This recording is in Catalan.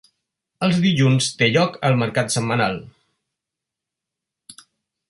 Els dilluns té lloc el mercat setmanal.